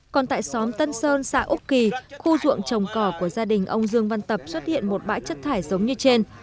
còn tại xóm tân sơn xã úc kỳ khu ruộng trồng cỏ của gia đình ông dương văn tập xuất hiện một bãi chất thải giống như trên